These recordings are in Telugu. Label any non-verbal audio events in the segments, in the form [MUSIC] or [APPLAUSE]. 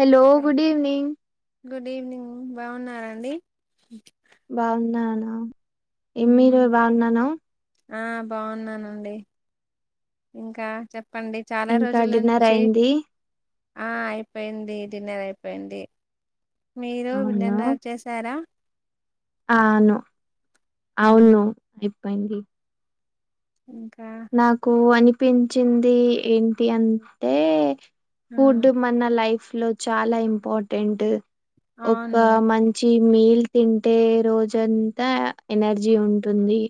Hello good evening good evening బావున్నారాండి బావున్న నా ఈ మీరు బావున్ననా ఆ బావున్నానండి ఇంకా చెప్పండి. చాలా ఇంకా రోజుల్ డిన్నర్ నుంచి అయింది ఆ అయిపోయింది డిన్నర్ అయిపోయింది మీరు అవునా విన్ననా చేసారా అను అవును మ్మ్. అయిపోయింది. ఇంకా నాకు అనిపించింది ఏంటి అంటే ఆ కుడ్ మన లైఫ్లో చాలా ఇంపాటెంట్ ఒక అవును మంచి చ్చి మీల్ తింటే రోజంతా ఎనర్జీ ఉంటుంది.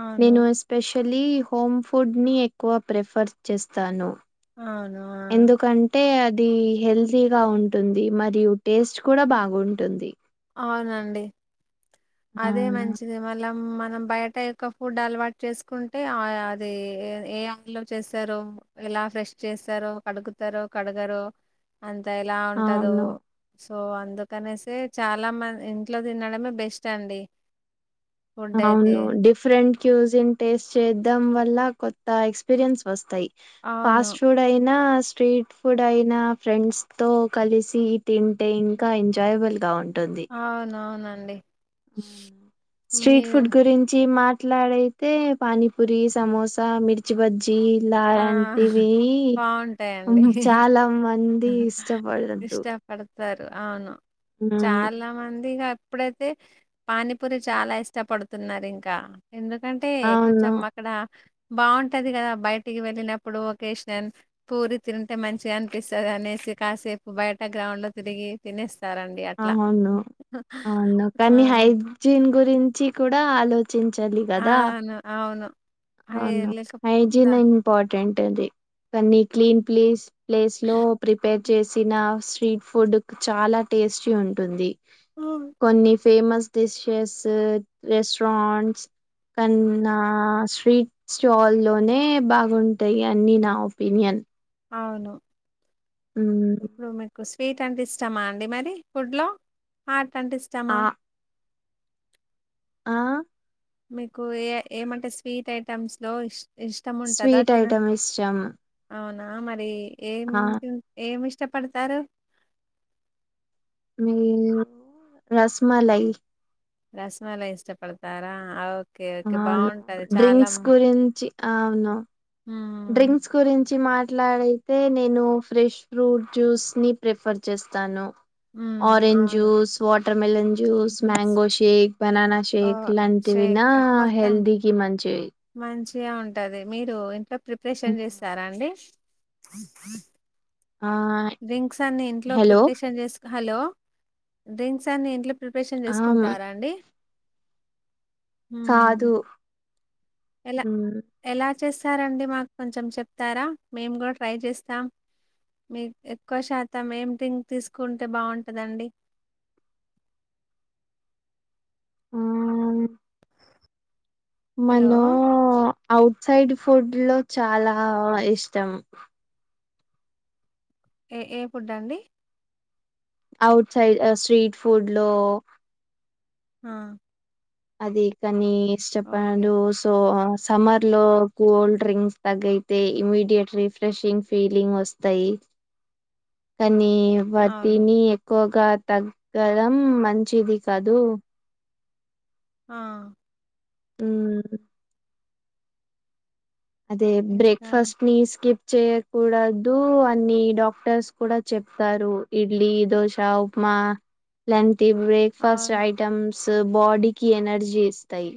అవును నేను ఎస్పెషలీ హోమ్ ఫుడ్ ని ఎక్వ ప్రిఫర్ చేస్తాను అవ్నా ఎందుకంన్ టే అది హెల్తీగా ఉంటుంది మరియు టేస్ట్ కూడా బాగుంటుంది. అవునండి అదే అవునా మంచి ఇది మళ్ళం మనం బయట ఎక్కవ్ ఫుడ్ అల్వాట్ చేస్కుంటే ఆ ది ఎ ఎయ ఇలో చేస్సరో ఎలా ఫ్రెష్ చేస్సారో కడుగుతారో కడగరో అంత ఎలా ఉంటాదో అవును సో అందుకనేసే చాలా మన్ ఇంట్లో దినడమే బెస్ట్ అండి. ఫుడ్ అయితే అవును డిఫరెంట్ క్యూజిన్ టేస్ట్ చేద్దాం వల్ల కొత్త ఎక్స్పీరియన్స్ వస్తాయ్ అవును ఫాస్రుడ్ రైనా స్ట్రీట్ ఫుడ్ అయినా ఫ్రెండ్స్ తో కలిసి తిన్ టే ఇంకా ఎంజాయ్ బల్గా ఉంటుంది. అవునవునండి అవునా స్ట్రీట్ మీరు ఫుడ్ గురించి మాట్లాడి తే పానీపూరి సమోసా మిర్చి బజ్ ఆ జీలాం టివీ బాగుంటాయండి చాలా మం ది ఇష్టపడద్దు పడత్తరు ఔను హ్మ్ చాలా మంది ఇగాఅప్పుడైతే పానీపూరి చాలా ఇష్టపడుతున్నారు ఇంకా ఎందుకంటే అవును కొంచెం ఇక్కడ బాగుంటది కదా బయటికి వెళ్ళినప్పుడు ఒకేషన్ పూరి తింటే మంచిగా అని పట్టిస్తది అనేసి కాసేపు బయట గ్రౌండ్ లో తిరిగి తినిస్తారండి అవును అవును ఆ! కానీ హైదూ దీని గురించి కూడా ఆలోచించాలి కదా అవును. అవును అయి అవునా లేక ఫైజీ దా నయం ఇంపార్టెంట్ అది కాన్ని క్లీన్ ప్లేస్ ప్లేస్ లో ప్రిపేర్ చేసిన స్ట్రీట్ ఫుడ్ చాలా టేస్టీ ఉంటుంది ఉమ్, కొన్ని ఫేమస్ డిషెస్ రెస్ట్రాంట్స్ కన్నా [UNINTELLIGIBLE] స్ీట్ స్టాల్లోనే బాగుంటాయి అన్నీ నా ఒపీనియన్ అవును మ్మ్ ఇప్పుడు మీ స్వీట్ అంటే ఇస్టమా అండి మరి ఫుడ్లో హాట్ అంటే ఇస్టమా ఆ ఆ మీకు ఏ ఏమంటే స్వీట్ ఐటమ్స్లో ఇ ఇష్టం ఉంటుందా స్వీట్ తిన ఐటమ్ ఇష్టం అవునా మరి ఏం ఆ ఏమి ఇష్టపడతారు మీ రసమలయి రసమలయి ఇష్టపడతారా ఓ అవును డ్రింక్స్ గురించి అవును ఆ డ్రింక్స్ గురించి మాట్లాడితే నేను ఫ్రెష్ ఫ్రూట్ జ్యూస్ ని ప్రిఫర్ చేస్తాను హ్మ్ ఆరెంజ్ అవును juice watermelon juice mango shake ఓ బననాషేక్లా [UNINTELLIGIBLE] అంతవిన షేక్ మొత్తం హెల్ది కి మంచిది మంచిగా ఉంటది మీరు ఇంట్లో మ్, ప్రిపరేషన్ చేస్తారా అండి ఆ డ్రింక్స్ అన్ని ఇంట్లో హలో ప్రిపరేషన్ చేసు హలో డ్రింక్స్ అన్ని ఇంట్లో ప్రిపరేషన్ ఆ చేసుకుంటారా అండి హ కాదు ఎలా మ్, ఎలా చేస్తారండి మాకు కొంచెం చెప్తారా మేము కూడా ట్రై చేస్తాం మీ ఎక్కువ శాతం ఏం డ్రింక్ తీసుకుంటే బాగుంటదండి ఆ హలో! మనం ఔట్ సైడ్ ఫుడ్ లో చాలా ఇష్టం ఏ ఏ ఫుడ్ అండి ఔట్ సైడ్ ఆ స్ట్రీట్ ఫుడ్ లో ఆ అది కానీ ఓకే. ఇష్టపడు సో సమ్మర్ లో కూల్డ్ డ్రింక్స్ తగయితే ఇమీడియట్ రిఫ్రెషింగ్ ఫీలింగ్ వస్తాయి తనీ అవును. వాటిని ఎక్కువగా తగ్గడం మంచిది కాదు ఆ ఉం అదే ఇంకా బ్రేక్ఫాస్ట్ ని స్కిప్ చేయకూడదు అన్ని డాక్టర్స్ కూడా చెప్తారు ఇడ్లీ దోశ ఉప్మా లాంటి బ్రేక్ఫాస్ట్ అవును. ఐటమ్స్ బాడీకి ఎనర్జీ ఇస్తాయి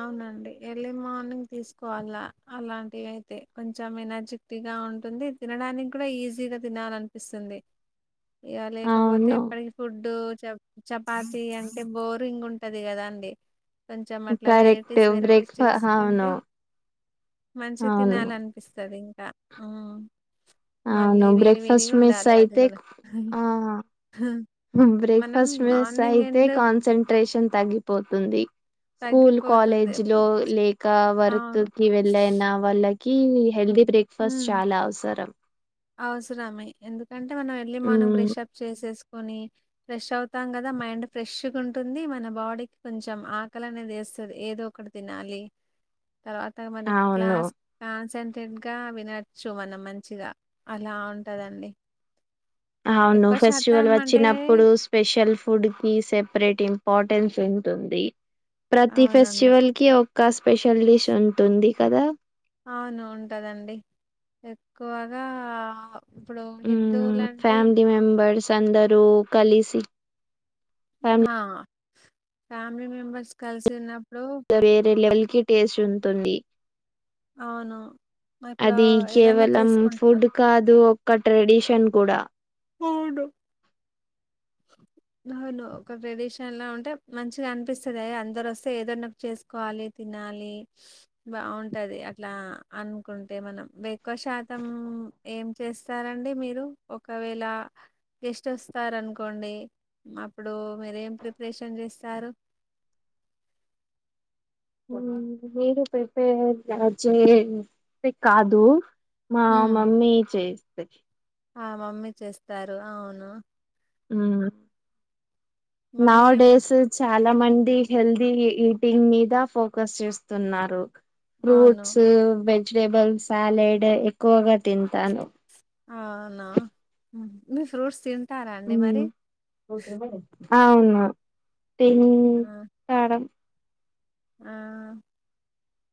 అవునండి ఎర్లీ మార్నింగ్ తీసుకోవాలా అలాంటివి అయితే కొంచెం ఎనర్జిక్ పతిగా [UNINTELLIGIBLE] ఉంటుంది. తినడానికి కూడా ఈజీగా తినాలనిపిస్తుంది. ఇయా, లేకపోతే, అవును ఎప్పటికి, ఫుడ్డు, చ చపాతి, అంటే, బోరింగ్ ఉంటది. కదా, అండి, కొంచెం, అట్లా, కరెక్ట్ వెరైటీస్, వెరైటీస్, బ్రేక్ఫా చేసుకుంటే, అవును మంచి అవును తినాలంట, అపిస్తుంది ఇంకా, ఉహ్ అవును మళ్ళీ, మళ్ళీ, వేడి, బ్రేక్ఫాస్ట్ వేడిగా మిస్ ఉండాలి. అది అయితే కూడా ఆ మనం బ్రేక్ఫాస్ట్, మార్నింగ్ వేస్ట్అయితే, ఎండ్ కాన్సన్ంట్రేషన్, తగ్గిపోతుంది. స్కూల్, తగ్గిపోతుంది కాలేజ్ ఇప్పుడు లో, లేక, వర్క్ అవును కి, వెళ్ళయిన, వాళ్ళకి, కి, హెల్దీ, బ్రేక్ఫాస్ట్, మ్మ్ చాలా, అవసరం. అవసరమే, ఎందుకంటే, మనం, ఎర్లీమార్నింగ్ ఉమ్ బ్రష్అప్, చేసేసుకుొని, ఫ్రెష్ అవుతాం. కదా, మైండ్ ఫ్రెష్గా, ఉంటుంది. మన, బాడీకి, కొంచెం ఆకలి అనేది వేస్తుంది. ఏదో, ఒకటి, తినాలి. తర్వాత, మరి అవును క్లాస్ కాన్సన్ంట్రేట్ గా వినొచ్చు. మనం మంచిగా, అలా, ఉంటదండి. అవును, ఎక్కువ ఫెస్టివల్, శాతం అంటే వచ్చినప్పుడు, స్పెషల్ ఫుడ్, కి, సెపరేట్, ఇంపార్టెన్స్, ఉంటుంది. ప్రతి, అవునండి. ఫెస్టివల్, కి, ఒక, స్పెషల్ డిష్, ఉంటుంది. కదా, అవును, ఉంటుందండి. ఎక్కువగా, ఇప్పుడు, ఉమ్ హిందువులు, అంటే, ఫ్యామిలీ మెంబర్స్, అందరూ కలిసి ఫ్యామిలీ ఆ, ఫ్యామిలీమెంబర్స్, కలిసి, ఉన్నప్పుడు, వేరేలెవెల్, కి, టేస్ట్, ఉంటుంది. అవును, ఇప్పుడు, అది ఏదైనా, కేవలం చేసుకుంట్రూ ఫుడ్ కాదు, ఒక్క, ట్రెడిషన్, కూడా, అవునా అవును ఒక ట్రెడిషన్ లా ఉంటే మంచిగా అనిపిస్తుంది. ఎ అందరు వస్తే ఏదోన్నకటి చేసుకోవాలి. తినాలి. బాగుంటది. అట్లా, అనుకుంటే, మనం, ఎక్కువ శాతం ఏం చేస్తారంండి. మీరు ఒకవేళ గెస్ట్ వస్తారు. అనుకు కోండి. అప్పుడు మీరేం ప్రిపరేషన్ చేస్తారు. మీరు పెపే చే కాదు [UNINTELLIGIBLE] మా, హ్మ్. మమ్మీ చేస్తది. ఆ, మమ్మీ చేస్తారు. అవును, ఉ, నౌ మమ్మీ ఏం డి డేస్ చాలమంది హెల్దీ ఈటింగ్ మీద ఫోకస్ చేస్తున్నారు. అవును. ఫ్రూట్స్, వెజిటేబుల్ సాలెడ్, ఎక్కువగా తింటాను. అవునా మీరూ, ఫ్రూట్స్, తి అ అవును త ఆ! తడం [UNINTELLIGIBLE] ఆ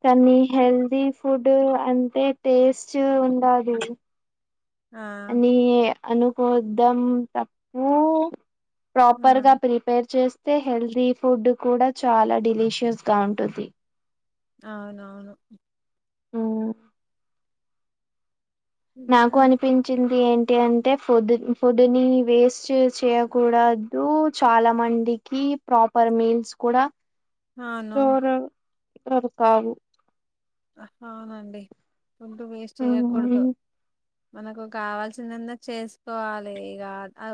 కానీ, హెల్తీఫుడ్, అంటే, టేస్ట్ ఉండాలి. ఆ! అని అనుకోద్దాం తప్పు ఆ! ప్రాపర్ గా ప్రిపేర్ చేస్త హెల్తీ ఫుడ్ కూడా చాలా డెలీషియస్ గా ఉంటుది. అవునవును మ్మ్ ఇంకా నాకు అనిపించింది ఏంటి అంటే ఫుడ్ ఫుడ్ ని వేస్ట్ చేయకూడా రూ చాలా మందికి ప్రాపర్ మీల్స్ కూడా అవును. దర కధు [UNINTELLIGIBLE] అవునండి ఫుడ్డు వేస్ట్ చేయ్యకూడదు ఉమ్, మనకు కావాల్సిందింద చేసుకోవాలి ఇక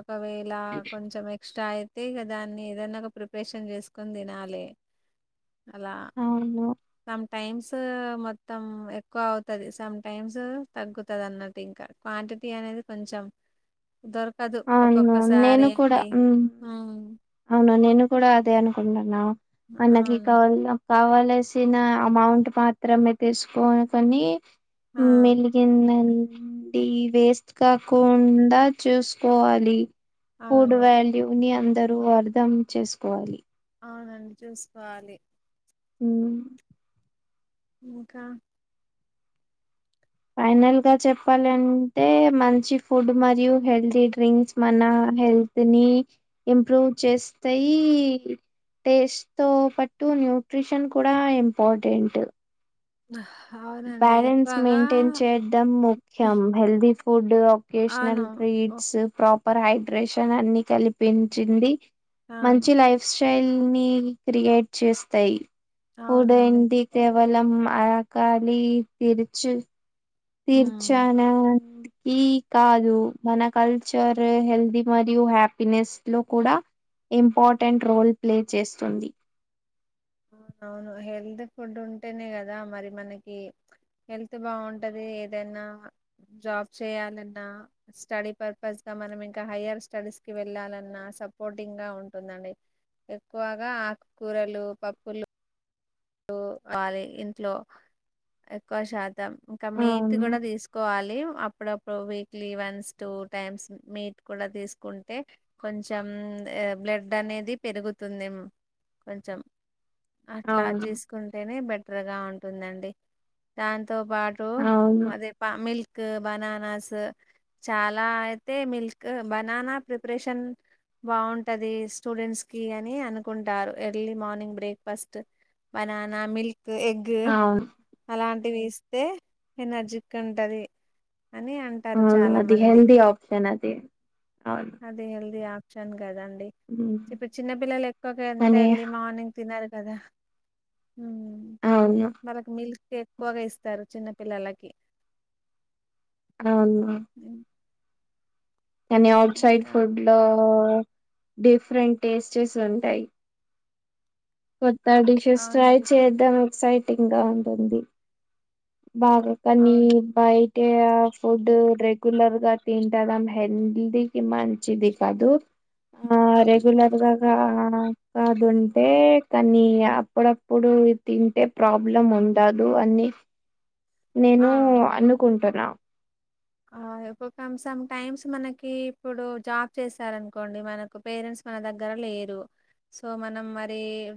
ఒకవేళ కొంచెం ఎక్స్ట్రాయ అంతే కదాన్ని ఏదన్నా ఒక ప్రిపరేషన్ చేసుకొని తినాలె అలా అవును సమ్ టైమ్స్ మొత్తం ఎక్కువ అవుతది సమ్ టైమ్స్ తగ్గుతుంది అన్నట్టు ఇంకా క్వాంటిటీ అనేది కొంచెం దొరకదు అవును ఒక్కొక్కసారి నేను కూడా అండి ఉమ్. మ్ అవును నేను కూడా అదే అనుకుంటున్నాను అన్నకి అవును. కావాల కావల్సిన అమౌంట్ మాత్రమే తీసుకోకొని ఆ! మెలిగిందండి వేస్ట్ కాకుండా చూసు కోవాలి ఫుడ్ అవును. వాల్యూ ని అందరూ అర్థం చేసుకోవాలి అవునండి చూసుకోవాలి మ్ ఇంకా ఫైనల్ గా చెప్పాలంటే మంచి ఫుడ్ మరియు హెల్తీ డ్రింక్స్ మన హెల్త్ దని ఇంప్రూవ్ చేస్తాయి టేస్ట్ తో పటు న్యూట్రిషన్ కూడా ఇంపార్టెంట్ [INAUDIBLE] బ్యాలన్స్ ఎక్కువగా మెయింటైన్ చేయడం ముఖ్యం హెల్ది ఫుడ్ అవును. ఒకేషనల్ ఓహ్! ట్రీట్స్ ప్రాపర్ హైడ్రేషన్ అన్ని కల్పించింది అవును. మంచి లైఫ్ స్టైల్ ని క్రియేట్ చేస్తాయి అవునండి. కూంటి కేవలం అరకాలి తిరుచి హ్మ్. తీర్చానా ఈ కాదు మన కల్చర్ హెల్తీ మరియు హ్యాపీనెస్ లో కూడా ఇంపార్టెంట్ రోల్ ప్లే చేస్తుంది అవునవును హెల్తీ ఫుడ్ ఉంటేనే కదా మరి మనకి హెల్త్ బాగుంటది ఏదైనా జాబ్ చేయాలన్నా స్టడీ పర్పస్ గా మనం ఇంకా హైయర్ స్టడీస్ కి వెళ్ళాలన్నా సపోర్టింగ్ గా ఉంటుందండి ఎక్కువగా ఆకుకూరలు పప్పులు అది ఇంట్లో ఎక్కువ శాతం ఇంకా మీట్ అవును కూడా తీసుకు కోవాలి అప్పుడప్పుడు weekly once two times meat కూడా తీసుకుంటే కొంచెం బ్లడ్ అనేది పెరుగుతుంది కొంచెం అట్లా అవును కుంటేనే బెటర్గా ఉంటుందండి దాంతో పాటు అవును అదే ప మిల్క్ బననాస్ చాలా అయితే మిల్క్ బనానా ప్రిపరేషన్ బాగుంటది స్టూడెంట్స్ కి అని అనుకుంటారు early morning breakfast banana milk egg అవును అలాంటివిస్తే ఎనర్జికి ఉంటది అని అ అవును అది హెల్ది ఆప్షన్ అదే అవును హెల్ది ఆప్షన్ కదండి ఉమ్, ఇప్పుడు చిన్న పిల్లలు ఎక్కువ ఎంత కానీ ఎర్లీ మార్నింగ్ తినరు కదా హ్మ్ అవున వాళ్ళకి మిల్క్ ఎక్కువగా ఇస్తారు చిన్న పిల్లలకి అవున లేవు కానీ అఔట్ సైడ్ ఇంకా ఫుడ్ లో డిఫరెంట్ టేస్టెస్ ఉంటాయి కొత్త డిషెస్ ట్రై అవునండి చేద్దం ఎక్సైటింగ్ గా ఉంటుంది బాగా ఆ పనీర్ బయటే ఆ ఫుడ్ రెగ్యులర్ గా తింటడం హెల్దికిి మం చిది కాదు ఆ రెగ్యులర్గాగా కాదుంటే కానీ అప్పుడప్పుడు తింటే ప్రాబ్లం ఉండదు అని ఆ నేను అనుకుంటున్నా ఆ ఒక కం సమ్ టైమ్స్ మనకి ఇప్పుడు జాబ్ చేసారనుకోండి మనకు పేరెంట్స్ మన దగ్గర లేరు సో మనం మరి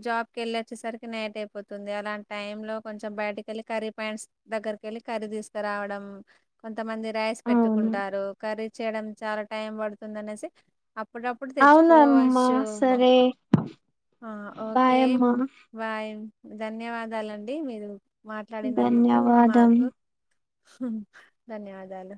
జాబ్కి ఎళ్ళి వచ్చేసరికి నైట్ అయిపోతుంది అలాంటి టైమ్లో కొంచెం బయటిక్ కెళ్ళి కర్రీ పాయాంట్స్ దగ్గరిక వెళ్ళి కర్రీ తీసుకురావడం కొంతమంది రైస్ అవును పెట్టుకుంటారు కర్రీ చేయడం చాలా టైం పడుతుంది అనేసి అప్పుడప్పుడు అవునమ్మా తెచ్చుకోవచ్చు సరే ఆ బాయ్ ఓకేం అమ్మా బాయ్ ధన్యవాదాలండి మీరు మాట్లాడినందుకు ధన్యవాదం మాకు ధన్యవాదాలు